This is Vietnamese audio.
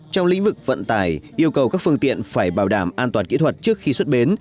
trong lĩnh vực vận tải yêu cầu các phương tiện phải bảo đảm an toàn kỹ thuật trước khi xuất bến